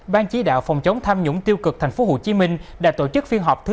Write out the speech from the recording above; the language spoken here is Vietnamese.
ban chí đạo phòng chống tham nhũng tiêu cực tp hcm đã tổ chức phiên họp thứ sáu